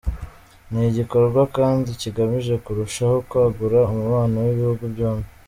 Ni igikorwa kandi kigamije kurushaho kwagura umubano w’ibihugu byombi.